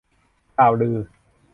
ข่าวลือ